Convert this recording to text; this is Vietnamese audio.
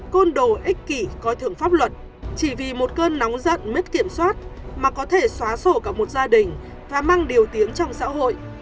côn đồ ích kỷ coi thường pháp luật chỉ vì một cơn nóng giận mất kiểm soát mà có thể xóa sổ cả một gia đình và mang điều tiếng trong xã hội